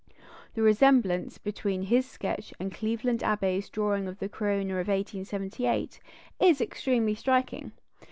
The resemblance between his sketch and Cleveland Abbe's drawing of the corona of 1878 is extremely striking.